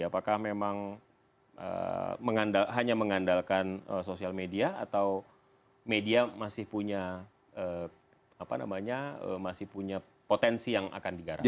apakah memang hanya mengandalkan sosial media atau media masih punya potensi yang akan digarangkan